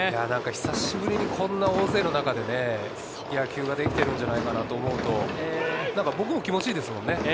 久しぶりにこんな大勢の中で野球ができてるんじゃないかなと思うと、僕も気持ちいいですもんね。